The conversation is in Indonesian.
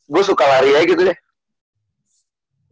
gue suka lari aja gitu ya